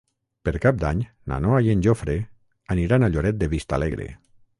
Per Cap d'Any na Noa i en Jofre aniran a Lloret de Vistalegre.